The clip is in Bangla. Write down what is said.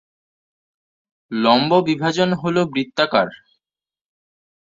লম্ব বিভাজন হল বৃত্তাকার।